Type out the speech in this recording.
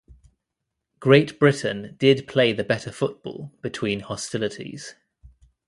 Great Britain did play the better football between hostilities.